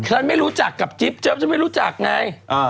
ฉันไม่รู้จักกับจิ๊บเจิ๊บฉันไม่รู้จักไง